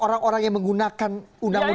orang orang yang menggunakan undang undang